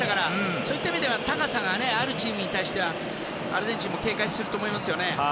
そういった意味では高さがあるチームに対してはアルゼンチンも警戒すると思いますよね。